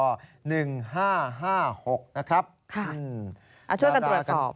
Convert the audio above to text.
ช่วยกันตรวจสอบ